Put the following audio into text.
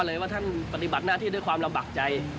เลยว่าท่านปฏิบัติหน้าที่ด้วยความลำบากใจ